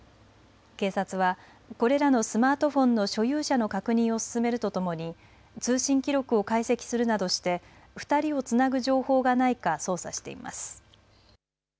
警察はこれらのスマートフォンの所有者の確認を進めるとともに通信記録を解析するなどして２人をつなぐ情報がないか捜査しています。